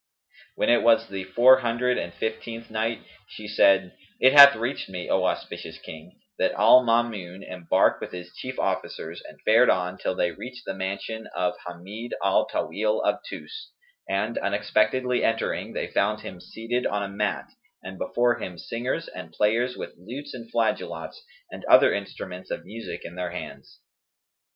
When it was the Four Hundred and Fifteenth Night, She said, It hath reached me, O auspicious King, that al Maamun embarked with his chief officers and fared on till they reached the mansion of Hamνd al Tawil of Tϊs; and, unexpectedly entering they found him seated on a mat and before him singers and players with lutes and flageolets and other instruments of music in their hands.